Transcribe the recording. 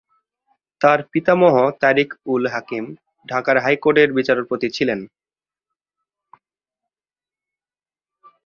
তার পিতামহ তারিক উল হাকিম, ঢাকার হাইকোর্টের বিচারপতি ছিলেন।